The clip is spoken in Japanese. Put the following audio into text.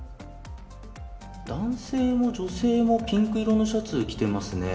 男性も女性もピンク色のシャツ着ていますね。